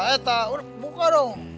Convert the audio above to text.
eh buka dong